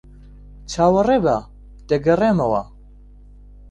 چاوەڕێبە. دەگەڕێمەوە.